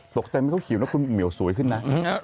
ตกใจไม่ต้องขิบนะคุณเหงียวสวยขึ้นนะ